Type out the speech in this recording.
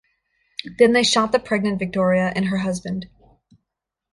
Then they shot the pregnant Wiktoria and her husband.